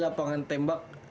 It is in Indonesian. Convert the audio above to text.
lu latihan nembak aja lu